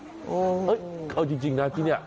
เว้ยเอาจริงนะที่นี่